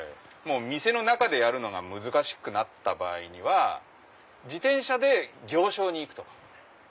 店の中でやるのが難しくなった場合には自転車で行商に行くとか。